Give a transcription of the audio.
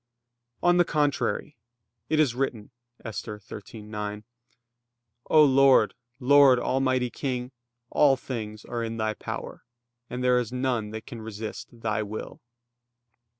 On the contrary, It is written (Esther 13:9): "O Lord, Lord, almighty King, all things are in Thy power, and there is none that can resist Thy will."